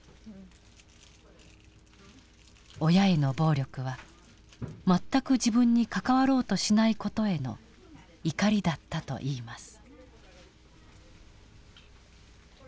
親への暴力は全く自分に関わろうとしない事への怒りだったといいます。